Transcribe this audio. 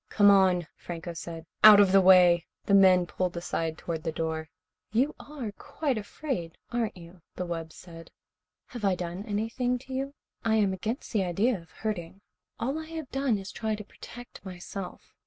"Come on," Franco said. "Out of the way." The men pulled aside toward the door. "You are quite afraid, aren't you?" the wub said. "Have I done anything to you? I am against the idea of hurting. All I have done is try to protect myself.